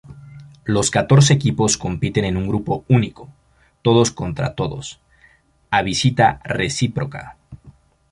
Los catorce equipos compiten en un grupo único, todos contra todos a visita reciproca.